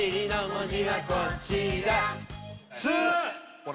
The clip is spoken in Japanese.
ほら